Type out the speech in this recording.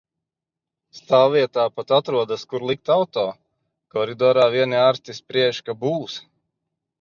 Stāvvietā pat atrodas, kur likt auto. Koridorā vieni ārsti spriež, ka būs !